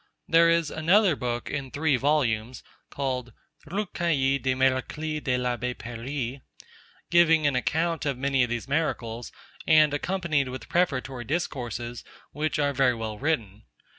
There is another book in three volumes (called Recueil des Miracles de l'Abbé Paris) giving an account of many of these miracles, and accompanied with prefatory discourses, which are very well written.